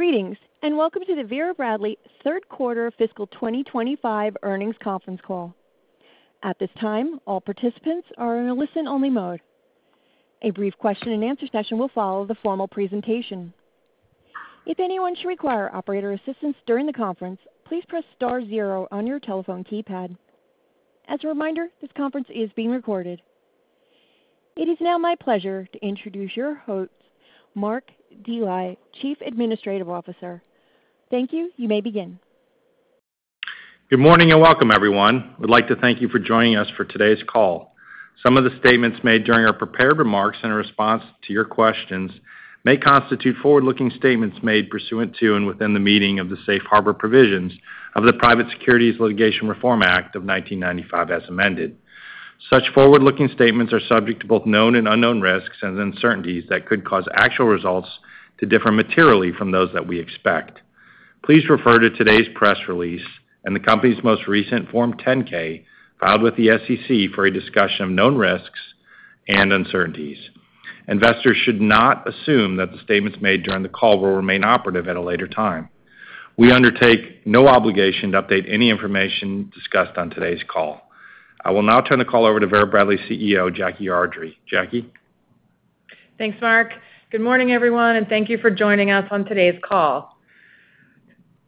Greetings, and welcome to the Vera Bradley Third Quarter Fiscal 2025 Earnings Conference Call. At this time, all participants are in a listen-only mode. A brief question-and-answer session will follow the formal presentation. If anyone should require operator assistance during the conference, please press star zero on your telephone keypad. As a reminder, this conference is being recorded. It is now my pleasure to introduce your host, Mark Dely, Chief Administrative Officer. Thank you. You may begin. Good morning and welcome, everyone. We'd like to thank you for joining us for today's call. Some of the statements made during our prepared remarks and in response to your questions may constitute forward-looking statements made pursuant to and within the meaning of the safe harbor provisions of the Private Securities Litigation Reform Act of 1995, as amended. Such forward-looking statements are subject to both known and unknown risks and uncertainties that could cause actual results to differ materially from those that we expect. Please refer to today's press release and the company's most recent Form 10-K filed with the SEC for a discussion of known risks and uncertainties. Investors should not assume that the statements made during the call will remain operative at a later time. We undertake no obligation to update any information discussed on today's call. I will now turn the call over to Vera Bradley CEO, Jackie Ardrey. Jackie? Thanks, Mark. Good morning, everyone, and thank you for joining us on today's call.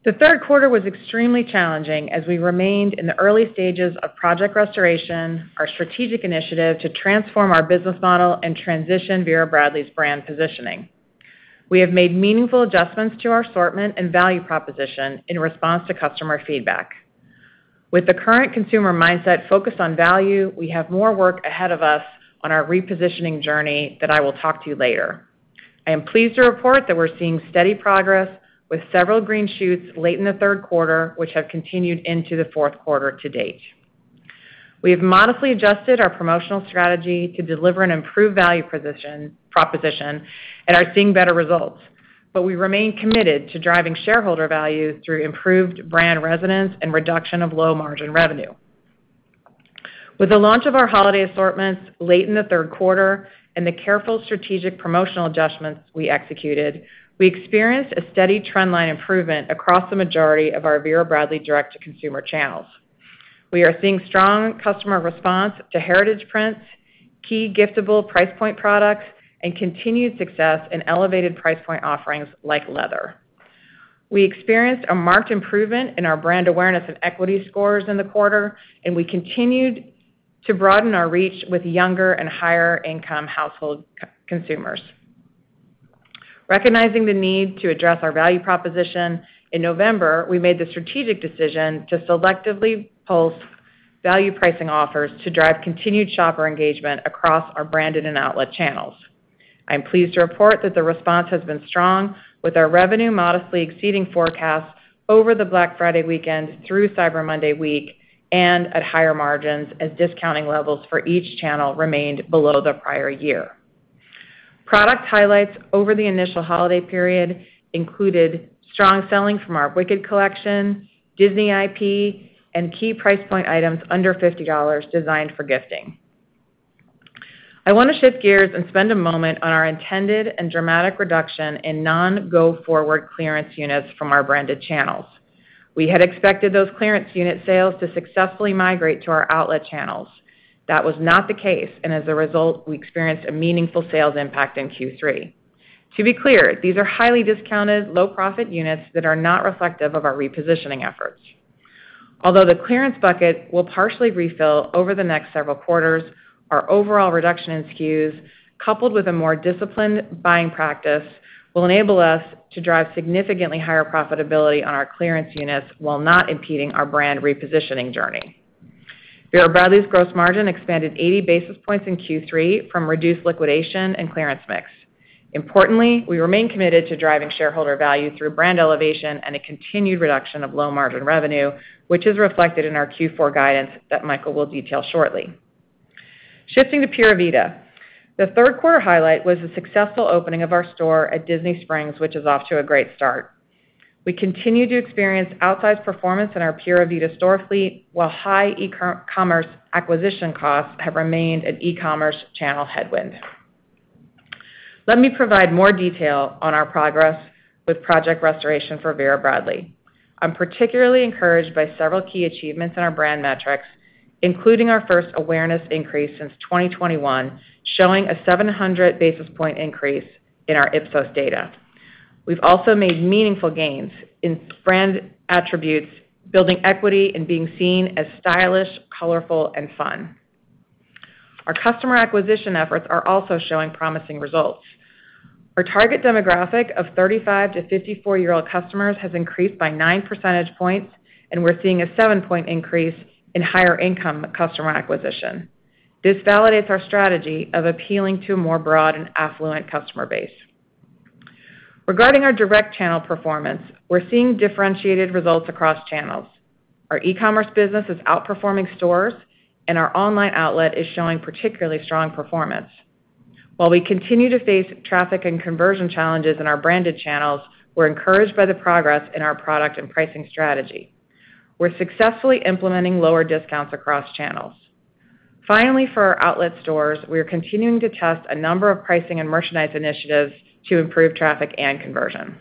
The third quarter was extremely challenging as we remained in the early stages of Project Restoration, our strategic initiative to transform our business model, and transition Vera Bradley's brand positioning. We have made meaningful adjustments to our assortment and value proposition in response to customer feedback. With the current consumer mindset focused on value, we have more work ahead of us on our repositioning journey that I will talk to you later. I am pleased to report that we're seeing steady progress with several green shoots late in the third quarter, which have continued into the fourth quarter to date. We have modestly adjusted our promotional strategy to deliver an improved value proposition and are seeing better results, but we remain committed to driving shareholder value through improved brand resonance and reduction of low-margin revenue. With the launch of our holiday assortments late in the third quarter and the careful strategic promotional adjustments we executed, we experienced a steady trendline improvement across the majority of our Vera Bradley direct-to-consumer channels. We are seeing strong customer response to Heritage prints, key giftable price point products, and continued success in elevated price point offerings like leather. We experienced a marked improvement in our brand awareness and equity scores in the quarter, and we continued to broaden our reach with younger and higher-income household consumers. Recognizing the need to address our value proposition, in November, we made the strategic decision to selectively post value pricing offers to drive continued shopper engagement across our branded and outlet channels. I'm pleased to report that the response has been strong, with our revenue modestly exceeding forecasts over the Black Friday weekend through Cyber Monday week and at higher margins as discounting levels for each channel remained below the prior year. Product highlights over the initial holiday period included strong selling from our Wicked collection, Disney IP, and key price point items under $50 designed for gifting. I want to shift gears and spend a moment on our intended and dramatic reduction in non-go-forward clearance units from our branded channels. We had expected those clearance unit sales to successfully migrate to our outlet channels. That was not the case, and as a result, we experienced a meaningful sales impact in Q3. To be clear, these are highly discounted, low-profit units that are not reflective of our repositioning efforts. Although the clearance bucket will partially refill over the next several quarters, our overall reduction in SKUs, coupled with a more disciplined buying practice, will enable us to drive significantly higher profitability on our clearance units while not impeding our brand repositioning journey. Vera Bradley's gross margin expanded 80 basis points in Q3 from reduced liquidation and clearance mix. Importantly, we remain committed to driving shareholder value through brand elevation and a continued reduction of low-margin revenue, which is reflected in our Q4 guidance that Michael will detail shortly. Shifting to Pura Vida, the third quarter highlight was the successful opening of our store at Disney Springs, which is off to a great start. We continue to experience outsized performance in our Pura Vida store fleet, while high e-commerce acquisition costs have remained an e-commerce channel headwind. Let me provide more detail on our progress with Project Restoration for Vera Bradley. I'm particularly encouraged by several key achievements in our brand metrics, including our first awareness increase since 2021, showing a 700 basis point increase in our Ipsos data. We've also made meaningful gains in brand attributes, building equity and being seen as stylish, colorful, and fun. Our customer acquisition efforts are also showing promising results. Our target demographic of 35-54-year-old customers has increased by 9 percentage points, and we're seeing a 7-point increase in higher-income customer acquisition. This validates our strategy of appealing to a more broad and affluent customer base. Regarding our direct channel performance, we're seeing differentiated results across channels. Our e-commerce business is outperforming stores, and our online outlet is showing particularly strong performance. While we continue to face traffic and conversion challenges in our branded channels, we're encouraged by the progress in our product and pricing strategy. We're successfully implementing lower discounts across channels. Finally, for our outlet stores, we are continuing to test a number of pricing and merchandise initiatives to improve traffic and conversion.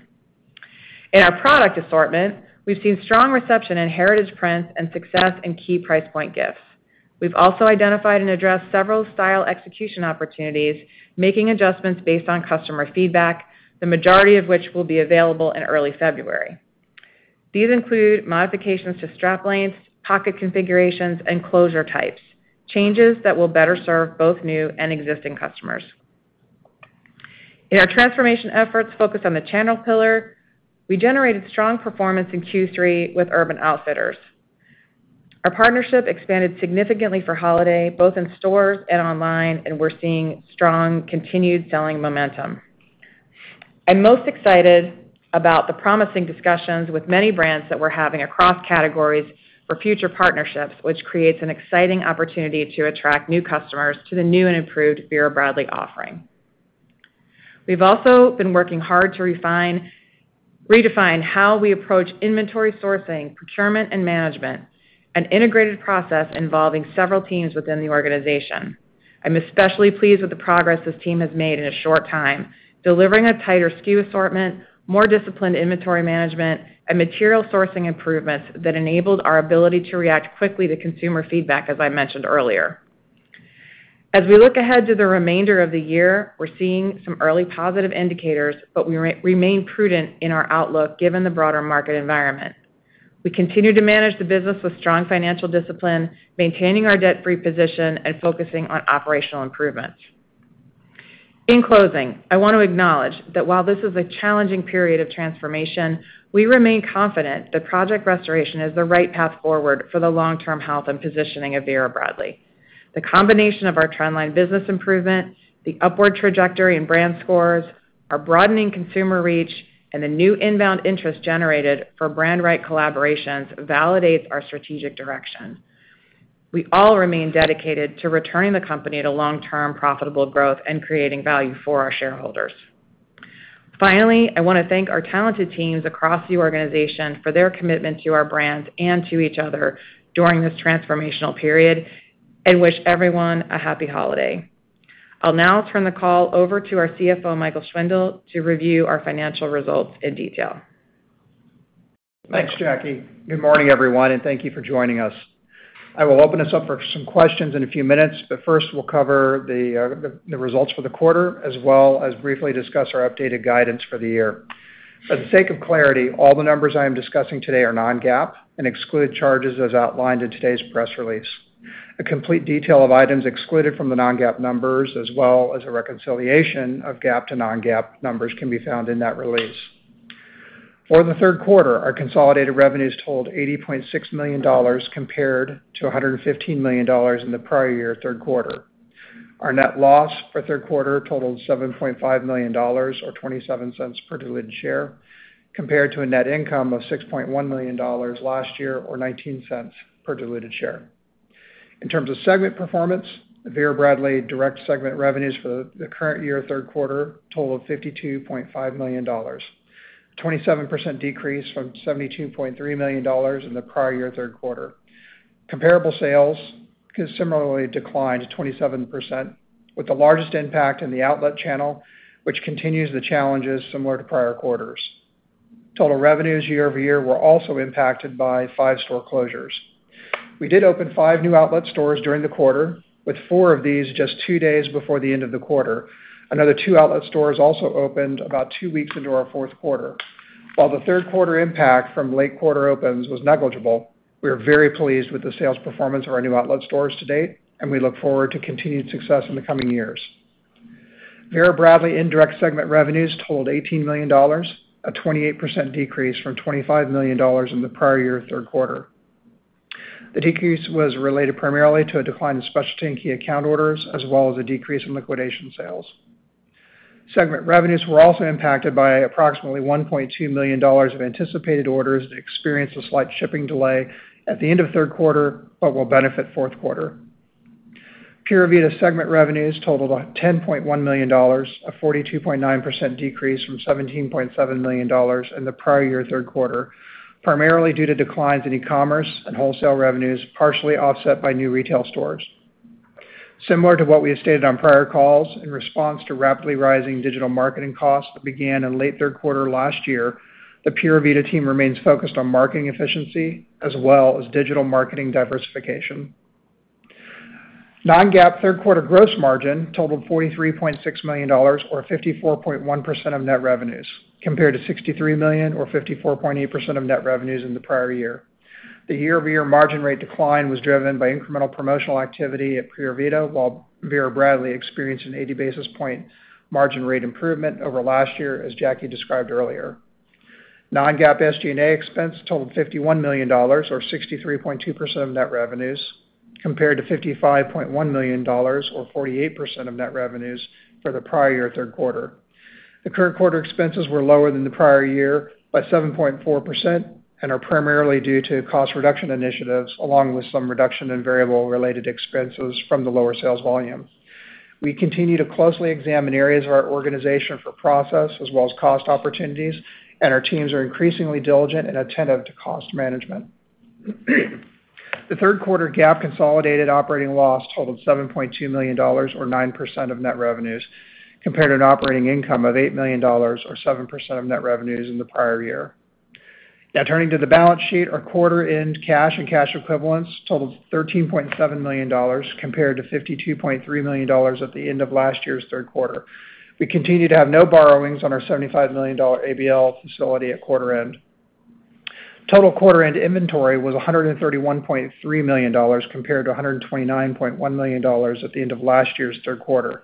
In our product assortment, we've seen strong reception in Heritage prints and success in key price point gifts. We've also identified and addressed several style execution opportunities, making adjustments based on customer feedback, the majority of which will be available in early February. These include modifications to strap lengths, pocket configurations, and closure types, changes that will better serve both new and existing customers. In our transformation efforts focused on the channel pillar, we generated strong performance in Q3 with Urban Outfitters. Our partnership expanded significantly for holiday, both in stores and online, and we're seeing strong continued selling momentum. I'm most excited about the promising discussions with many brands that we're having across categories for future partnerships, which creates an exciting opportunity to attract new customers to the new and improved Vera Bradley offering. We've also been working hard to redefine how we approach inventory sourcing, procurement, and management, an integrated process involving several teams within the organization. I'm especially pleased with the progress this team has made in a short time, delivering a tighter SKU assortment, more disciplined inventory management, and material sourcing improvements that enabled our ability to react quickly to consumer feedback, as I mentioned earlier. As we look ahead to the remainder of the year, we're seeing some early positive indicators, but we remain prudent in our outlook given the broader market environment. We continue to manage the business with strong financial discipline, maintaining our debt-free position, and focusing on operational improvements. In closing, I want to acknowledge that while this is a challenging period of transformation, we remain confident that Project Restoration is the right path forward for the long-term health and positioning of Vera Bradley. The combination of our trendline business improvement, the upward trajectory in brand scores, our broadening consumer reach, and the new inbound interest generated for brand-right collaborations validates our strategic direction. We all remain dedicated to returning the company to long-term profitable growth and creating value for our shareholders. Finally, I want to thank our talented teams across the organization for their commitment to our brand and to each other during this transformational period. I wish everyone a happy holiday. I'll now turn the call over to our CFO, Michael Schwindle, to review our financial results in detail. Thanks, Jackie. Good morning, everyone, and thank you for joining us. I will open us up for some questions in a few minutes, but first, we'll cover the results for the quarter, as well as briefly discuss our updated guidance for the year. For the sake of clarity, all the numbers I am discussing today are non-GAAP and exclude charges as outlined in today's press release. A complete detail of items excluded from the non-GAAP numbers, as well as a reconciliation of GAAP to non-GAAP numbers, can be found in that release. For the third quarter, our consolidated revenues totaled $80.6 million compared to $115 million in the prior year third quarter. Our net loss for third quarter totaled $7.5 million or $0.27 per diluted share, compared to a net income of $6.1 million last year or $0.19 per diluted share. In terms of segment performance, Vera Bradley Direct segment revenues for the current year third quarter totaled $52.5 million, a 27% decrease from $72.3 million in the prior year third quarter. Comparable sales similarly declined 27%, with the largest impact in the outlet channel, which continues the challenges similar to prior quarters. Total revenues year over year were also impacted by five store closures. We did open five new outlet stores during the quarter, with four of these just two days before the end of the quarter. Another two outlet stores also opened about two weeks into our fourth quarter. While the third quarter impact from late quarter opens was negligible, we are very pleased with the sales performance of our new outlet stores to date, and we look forward to continued success in the coming years. Vera Bradley Indirect segment revenues totaled $18 million, a 28% decrease from $25 million in the prior year third quarter. The decrease was related primarily to a decline in specialty and key account orders, as well as a decrease in liquidation sales. Segment revenues were also impacted by approximately $1.2 million of anticipated orders that experienced a slight shipping delay at the end of third quarter but will benefit fourth quarter. Pura Vida segment revenues totaled $10.1 million, a 42.9% decrease from $17.7 million in the prior year third quarter, primarily due to declines in e-commerce and wholesale revenues partially offset by new retail stores. Similar to what we have stated on prior calls, in response to rapidly rising digital marketing costs that began in late third quarter last year, the Pura Vida team remains focused on marketing efficiency as well as digital marketing diversification. Non-GAAP third quarter gross margin totaled $43.6 million or 54.1% of net revenues, compared to $63 million or 54.8% of net revenues in the prior year. The year-over-year margin rate decline was driven by incremental promotional activity at Pura Vida, while Vera Bradley experienced an 80 basis point margin rate improvement over last year, as Jackie described earlier. Non-GAAP SG&A expense totaled $51 million or 63.2% of net revenues, compared to $55.1 million or 48% of net revenues for the prior year third quarter. The current quarter expenses were lower than the prior year by 7.4% and are primarily due to cost reduction initiatives along with some reduction in variable-related expenses from the lower sales volume. We continue to closely examine areas of our organization for process as well as cost opportunities, and our teams are increasingly diligent and attentive to cost management. The third quarter GAAP consolidated operating loss totaled $7.2 million or 9% of net revenues, compared to an operating income of $8 million or 7% of net revenues in the prior year. Now, turning to the balance sheet, our quarter-end cash and cash equivalents totaled $13.7 million compared to $52.3 million at the end of last year's third quarter. We continue to have no borrowings on our $75 million ABL facility at quarter-end. Total quarter-end inventory was $131.3 million compared to $129.1 million at the end of last year's third quarter.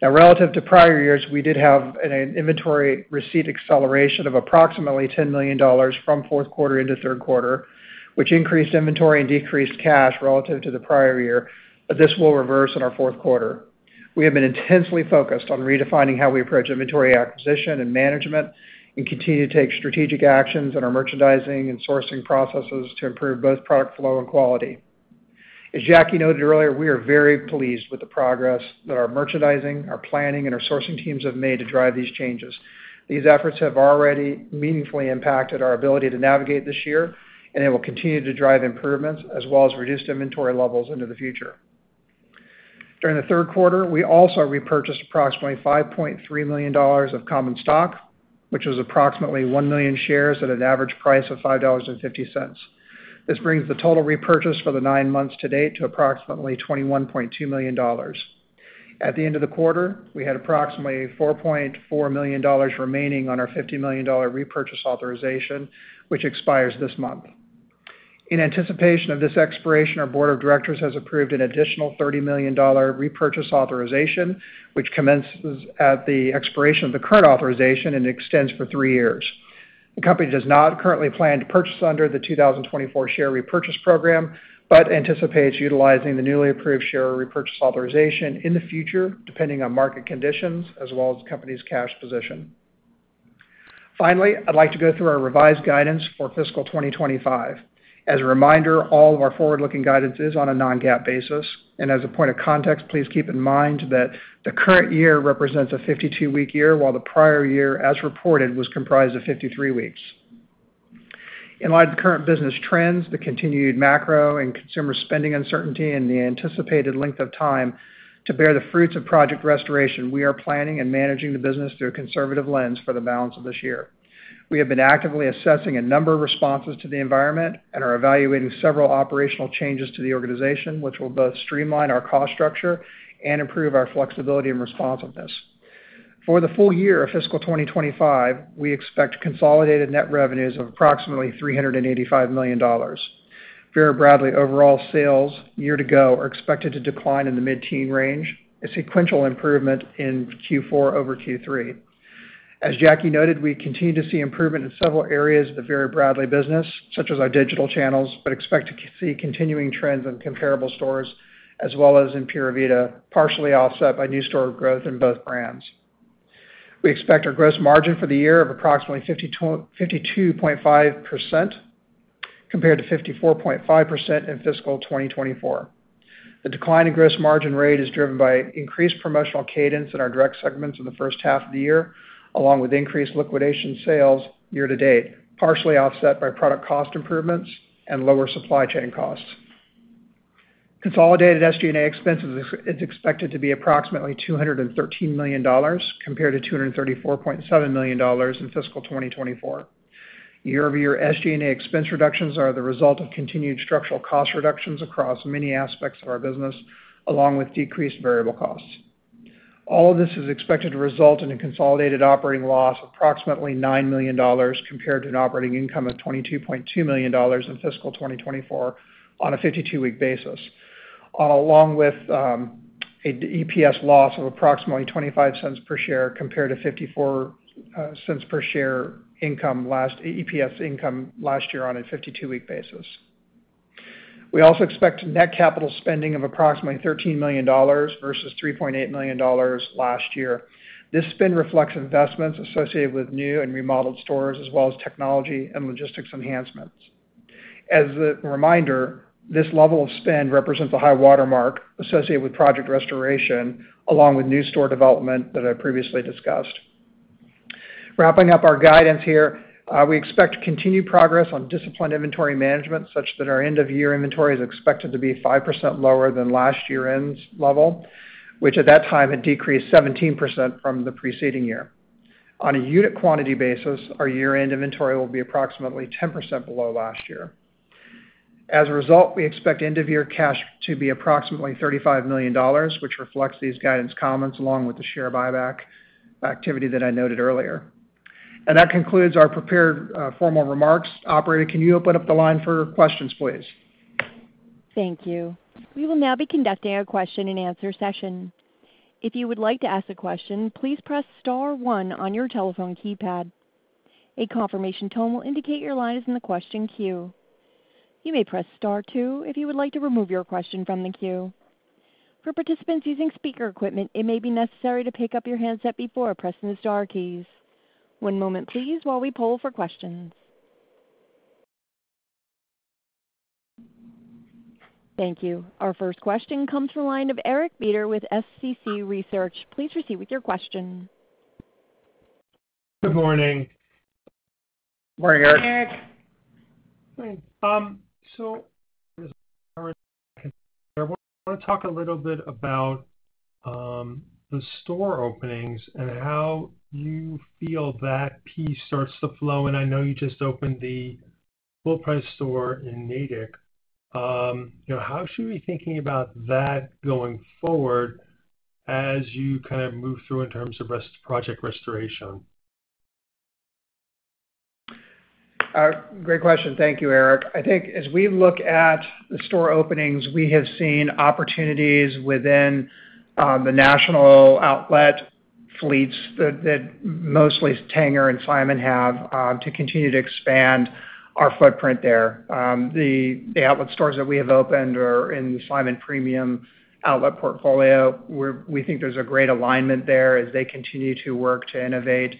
Now, relative to prior years, we did have an inventory receipt acceleration of approximately $10 million from fourth quarter into third quarter, which increased inventory and decreased cash relative to the prior year, but this will reverse in our fourth quarter. We have been intensely focused on redefining how we approach inventory acquisition and management and continue to take strategic actions in our merchandising and sourcing processes to improve both product flow and quality. As Jackie noted earlier, we are very pleased with the progress that our merchandising, our planning, and our sourcing teams have made to drive these changes. These efforts have already meaningfully impacted our ability to navigate this year, and they will continue to drive improvements as well as reduce inventory levels into the future. During the third quarter, we also repurchased approximately $5.3 million of common stock, which was approximately one million shares at an average price of $5.50. This brings the total repurchase for the nine months to date to approximately $21.2 million. At the end of the quarter, we had approximately $4.4 million remaining on our $50 million repurchase authorization, which expires this month. In anticipation of this expiration, our board of directors has approved an additional $30 million repurchase authorization, which commences at the expiration of the current authorization and extends for three years. The company does not currently plan to purchase under the 2024 share repurchase program but anticipates utilizing the newly approved share repurchase authorization in the future, depending on market conditions as well as the company's cash position. Finally, I'd like to go through our revised guidance for fiscal 2025. As a reminder, all of our forward-looking guidance is on a non-GAAP basis. As a point of context, please keep in mind that the current year represents a 52-week year, while the prior year, as reported, was comprised of 53 weeks. In light of the current business trends, the continued macro and consumer spending uncertainty, and the anticipated length of time to bear the fruits of Project Restoration, we are planning and managing the business through a conservative lens for the balance of this year. We have been actively assessing a number of responses to the environment and are evaluating several operational changes to the organization, which will both streamline our cost structure and improve our flexibility and responsiveness. For the full year of Fiscal 2025, we expect consolidated net revenues of approximately $385 million. Vera Bradley overall sales year-to-go are expected to decline in the mid-teens range, a sequential improvement in Q4 over Q3. As Jackie noted, we continue to see improvement in several areas of the Vera Bradley business, such as our digital channels, but expect to see continuing trends in comparable stores as well as in Pura Vida, partially offset by new store growth in both brands. We expect our gross margin for the year of approximately 52.5% compared to 54.5% in fiscal 2024. The decline in gross margin rate is driven by increased promotional cadence in our direct segments in the first half of the year, along with increased liquidation sales year to date, partially offset by product cost improvements and lower supply chain costs. Consolidated SG&A expense is expected to be approximately $213 million compared to $234.7 million in fiscal 2024. Year-over-year SG&A expense reductions are the result of continued structural cost reductions across many aspects of our business, along with decreased variable costs. All of this is expected to result in a consolidated operating loss of approximately $9 million compared to an operating income of $22.2 million in fiscal 2024 on a 52-week basis, along with an EPS loss of approximately $0.25 per share compared to $0.54 per share EPS income last year on a 52-week basis. We also expect net capital spending of approximately $13 million versus $3.8 million last year. This spend reflects investments associated with new and remodeled stores as well as technology and logistics enhancements. As a reminder, this level of spend represents a high-water mark associated with Project Restoration, along with new store development that I previously discussed. Wrapping up our guidance here, we expect continued progress on disciplined inventory management, such that our end-of-year inventory is expected to be 5% lower than last year-end's level, which at that time had decreased 17% from the preceding year. On a unit quantity basis, our year-end inventory will be approximately 10% below last year. As a result, we expect end-of-year cash to be approximately $35 million, which reflects these guidance comments along with the share buyback activity that I noted earlier. And that concludes our prepared formal remarks. Operator, can you open up the line for questions, please? Thank you. We will now be conducting a question-and-answer session. If you would like to ask a question, please press Star 1 on your telephone keypad. A confirmation tone will indicate your line is in the question queue. You may press Star 2 if you would like to remove your question from the queue. For participants using speaker equipment, it may be necessary to pick up your handset before pressing the Star keys. One moment, please, while we poll for questions. Thank you. Our first question comes from the line of Eric Beder with SCC Research. Please proceed with your question. Good morning. Morning, Eric. Hey, Eric. So, I want to talk a little bit about the store openings and how you feel that piece starts to flow. And I know you just opened the full-price store in Natick. How should we be thinking about that going forward as you kind of move through in terms of Project Restoration? Great question. Thank you, Eric. I think as we look at the store openings, we have seen opportunities within the national outlet fleets that mostly Tanger and Simon have to continue to expand our footprint there. The outlet stores that we have opened are in the Simon Premium Outlets portfolio. We think there's a great alignment there as they continue to work to innovate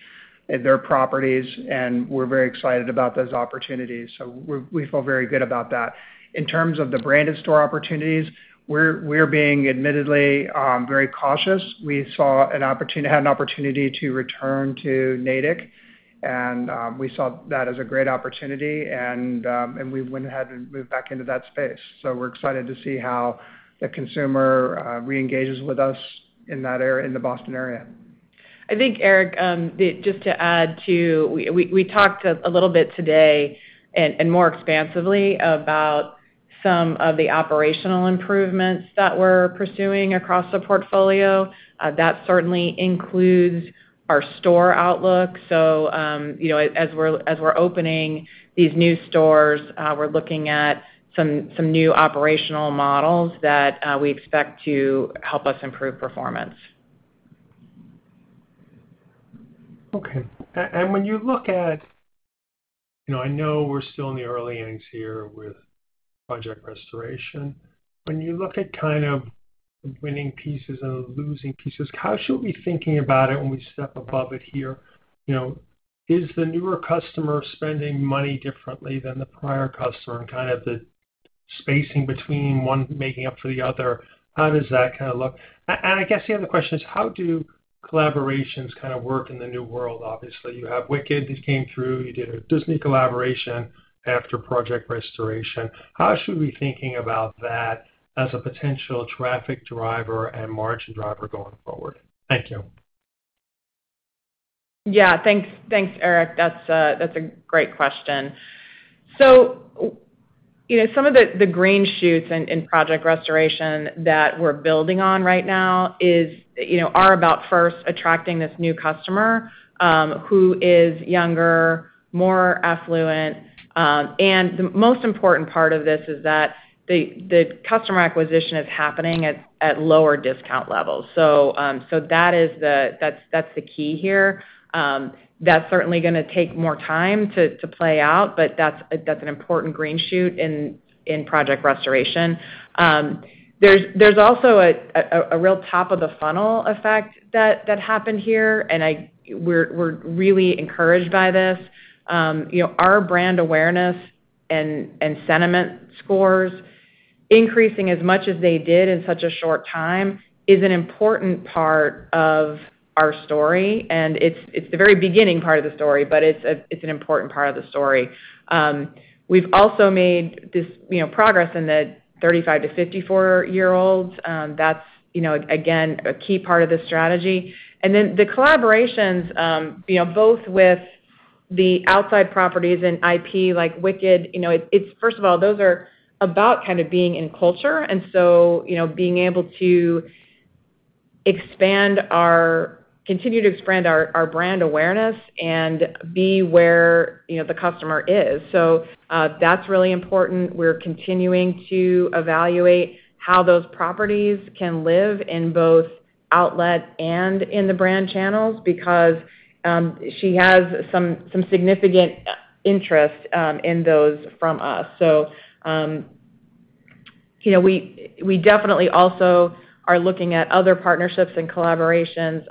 their properties, and we're very excited about those opportunities. So we feel very good about that. In terms of the branded store opportunities, we're being admittedly very cautious. We had an opportunity to return to Natick, and we saw that as a great opportunity, and we went ahead and moved back into that space. So we're excited to see how the consumer reengages with us in the Boston area. I think, Eric, just to add to, we talked a little bit today and more expansively about some of the operational improvements that we're pursuing across the portfolio. That certainly includes our store outlook so as we're opening these new stores, we're looking at some new operational models that we expect to help us improve performance. Okay. And when you look at, I know we're still in the early innings here with Project Restoration. When you look at kind of winning pieces and losing pieces, how should we be thinking about it when we step above it here? Is the newer customer spending money differently than the prior customer? And kind of the spacing between one making up for the other, how does that kind of look? And I guess the other question is, how do collaborations kind of work in the new world? Obviously, you have Wicked that came through. You did a Disney collaboration after Project Restoration. How should we be thinking about that as a potential traffic driver and margin driver going forward? Thank you. Yeah. Thanks, Eric. That's a great question. So some of the green shoots in Project Restoration that we're building on right now are about first attracting this new customer who is younger, more affluent. And the most important part of this is that the customer acquisition is happening at lower discount levels. So that's the key here. That's certainly going to take more time to play out, but that's an important green shoot in Project Restoration. There's also a real top-of-the-funnel effect that happened here, and we're really encouraged by this. Our brand awareness and sentiment scores, increasing as much as they did in such a short time, is an important part of our story. And it's the very beginning part of the story, but it's an important part of the story. We've also made this progress in the 35-54-year-olds. That's, again, a key part of the strategy. And then the collaborations, both with the outside properties and IP like Wicked. First of all, those are about kind of being in culture. And so being able to continue to expand our brand awareness and be where the customer is. So that's really important. We're continuing to evaluate how those properties can live in both outlet and in the brand channels because she has some significant interest in those from us. So we definitely also are looking at other partnerships and collaborations.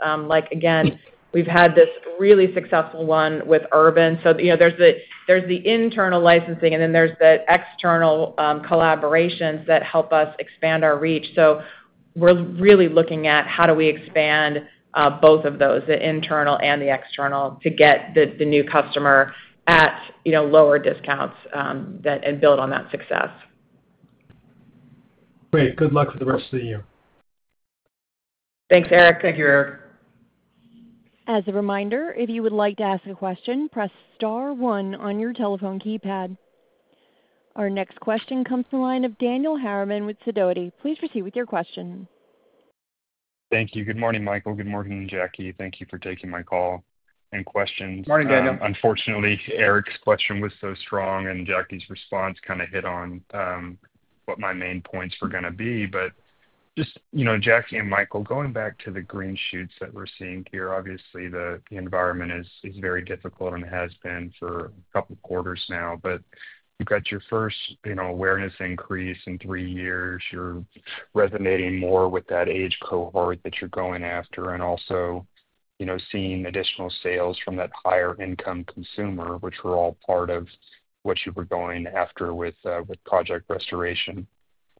Again, we've had this really successful one with Urban. So there's the internal licensing, and then there's the external collaborations that help us expand our reach. So we're really looking at how do we expand both of those, the internal and the external, to get the new customer at lower discounts and build on that success. Great. Good luck for the rest of the year. Thanks, Eric. Thank you, Eric. As a reminder, if you would like to ask a question, press Star 1 on your telephone keypad. Our next question comes from the line of Daniel Harriman with Sidoti. Please proceed with your question. Thank you. Good morning, Michael. Good morning, Jackie. Thank you for taking my call and questions. Good morning, Daniel. Unfortunately, Eric's question was so strong, and Jackie's response kind of hit on what my main points were going to be. But just Jackie and Michael, going back to the green shoots that we're seeing here, obviously, the environment is very difficult and has been for a couple of quarters now. But you've got your first awareness increase in three years. You're resonating more with that age cohort that you're going after and also seeing additional sales from that higher-income consumer, which were all part of what you were going after with Project Restoration.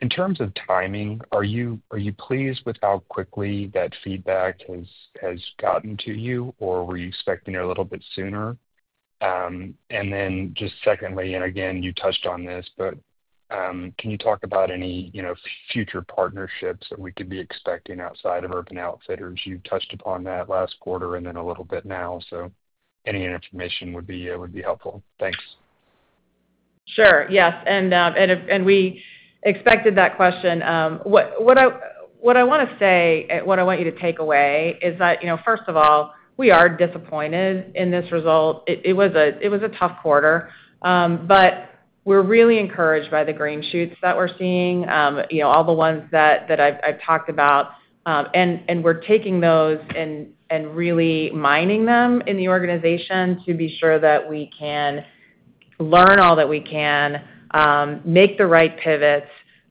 In terms of timing, are you pleased with how quickly that feedback has gotten to you, or were you expecting it a little bit sooner? And then just secondly, and again, you touched on this, but can you talk about any future partnerships that we could be expecting outside of Urban Outfitters? You touched upon that last quarter and then a little bit now. So any information would be helpful. Thanks. Sure. Yes. And we expected that question. What I want to say, what I want you to take away is that, first of all, we are disappointed in this result. It was a tough quarter, but we're really encouraged by the green shoots that we're seeing, all the ones that I've talked about. And we're taking those and really mining them in the organization to be sure that we can learn all that we can, make the right pivots.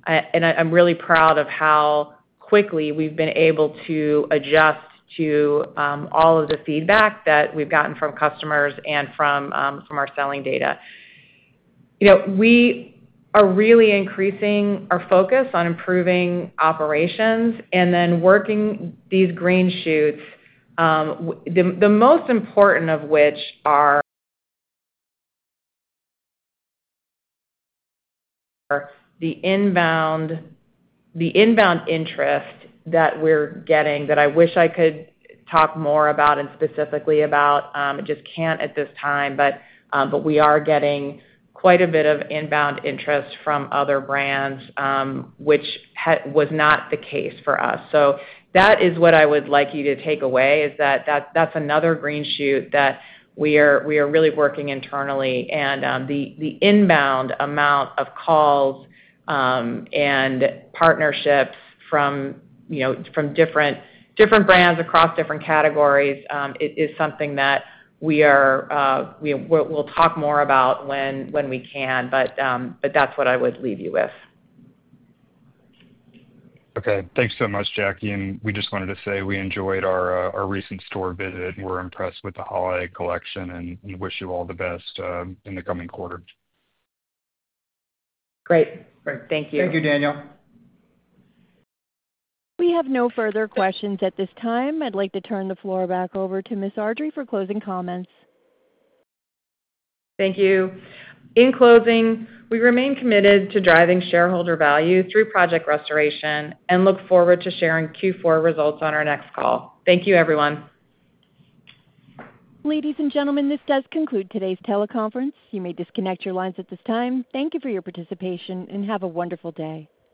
And I'm really proud of how quickly we've been able to adjust to all of the feedback that we've gotten from customers and from our selling data. We are really increasing our focus on improving operations and then working these green shoots, the most important of which are the inbound interest that we're getting that I wish I could talk more about and specifically about. I just can't at this time. But we are getting quite a bit of inbound interest from other brands, which was not the case for us. So that is what I would like you to take away, is that that's another green shoot that we are really working internally. And the inbound amount of calls and partnerships from different brands across different categories is something that we'll talk more about when we can. But that's what I would leave you with. Okay. Thanks so much, Jackie, and we just wanted to say we enjoyed our recent store visit. We're impressed with the holiday collection and wish you all the best in the coming quarter. Great. Thank you. Thank you, Daniel. We have no further questions at this time. I'd like to turn the floor back over to Ms. Ardrey for closing comments. Thank you. In closing, we remain committed to driving shareholder value through Project Restoration and look forward to sharing Q4 results on our next call. Thank you, everyone. Ladies and gentlemen, this does conclude today's teleconference. You may disconnect your lines at this time. Thank you for your participation, and have a wonderful day.